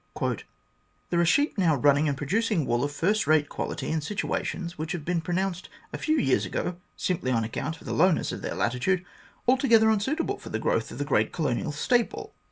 " There are sheep now running and producing wool of first rate quality in situations which would have been pronounced a few years ago, simply on account of the lowness of the latitude, altogether unsuitable for the growth of the great colonial staple.